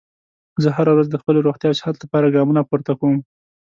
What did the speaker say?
زه هره ورځ د خپلې روغتیا او صحت لپاره ګامونه پورته کوم